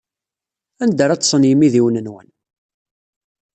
Anda ara ḍḍsen yimidiwen-nwen?